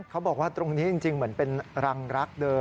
เขาบอกว่าตรงนี้จริงเหมือนเป็นรังรักเดิม